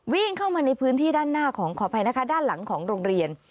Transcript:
วิ่งเข้ามาในพื้นที่ด้านหน้าของขออภัยนะคะด้านหลังของโรงเรียน